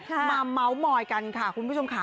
มาเมาส์มอยกันค่ะคุณผู้ชมค่ะ